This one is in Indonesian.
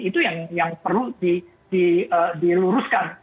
itu yang perlu diluruskan